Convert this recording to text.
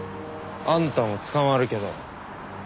あんたも捕まるけど。